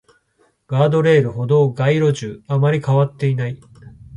ガードレール、歩道、街路樹、あまり変わっていない